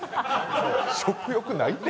食欲ないて。